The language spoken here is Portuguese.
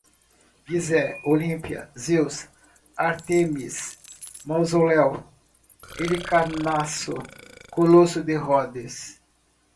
Gizé, Olímpia, Zeus, Ártemis, Mausoléu, Helicarnasso, Colosso de Rodes